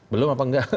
belum apa enggak